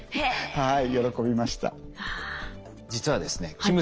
はい。